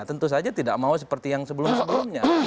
tentu saja tidak mau seperti yang sebelum sebelumnya